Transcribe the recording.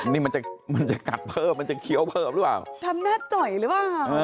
นี่มันจะมันจะกัดเพิ่มมันจะเคี้ยวเพิ่มหรือเปล่าทำหน้าจ่อยหรือเปล่า